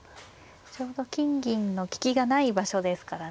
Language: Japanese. ちょうど金銀の利きがない場所ですからね。